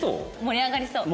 盛り上がりそう。